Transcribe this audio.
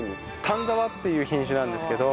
丹沢っていう品種なんですけど。